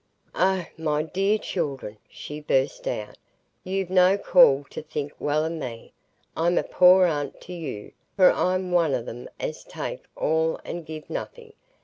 "Oh, my dear children," she burst out, "you've no call to think well o' me; I'm a poor aunt to you, for I'm one o' them as take all and give nothing.